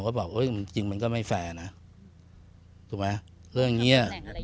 ก็บอกจริงมันก็ไม่แฟร์นะถูกไหมเรื่องนี้